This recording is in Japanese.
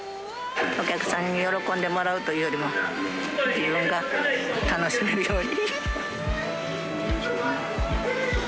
お客さんに喜んでもらうというよりも自分が楽しめるように。